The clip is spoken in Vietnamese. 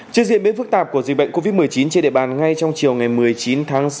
trên diện biến phức tạp của dịch bệnh covid một mươi chín trên địa bàn ngay trong chiều một mươi chín tháng sáu